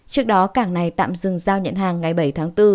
trước đó cảng này tạm dừng giao nhận hàng ngày bảy tháng bốn